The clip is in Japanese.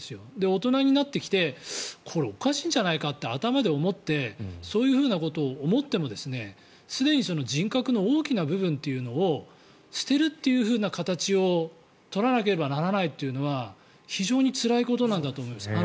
大人になってきてこれ、おかしいんじゃないかって頭で思ってそういうふうなことを思っても人格の大きな部分というのを捨てるという形を取らなければならないというのは非常につらいことなんだと思います。